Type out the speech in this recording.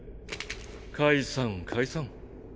解散解散。